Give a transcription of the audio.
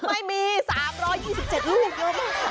ไม่มี๓๒๗ลูกเยอะมาก